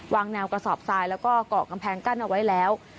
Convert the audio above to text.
วางแนวกระสอบทรายแล้วก็เกาะกำแพงกั้นเอาไว้แล้ว